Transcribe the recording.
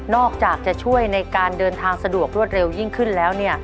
อกจากจะช่วยในการเดินทางสะดวกรวดเร็วยิ่งขึ้นแล้ว